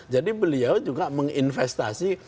jadi beliau juga menginvestasi